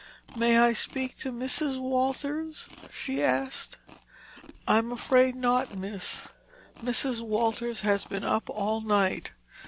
"May I speak to Mrs. Walters?" she asked. "I'm afraid not, miss. Mrs. Walters has been up all night.